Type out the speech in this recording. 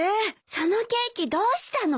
そのケーキどうしたの？